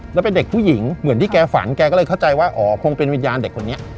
แล้วเป็นเด็กผู้หญิงเหมือนที่แกฝันแกก็เลยเข้าใจว่าอ๋อคงเป็นวิญญาณเด็กคนนี้